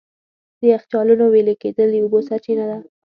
د یخچالونو وېلې کېدل د اوبو سرچینه ده.